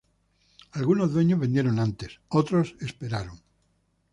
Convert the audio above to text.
Algunos dueños vendieron antes, otros se esperaron.